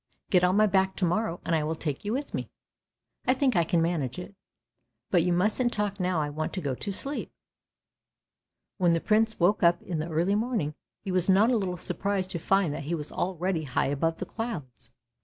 Get on my back to morrow and I will take you with me; I think I can manage it! But you mustn't talk now, I want to go to sleep." When the Prince woke up in the early morning, he was not a little surprised to find that he was already high above the clouds.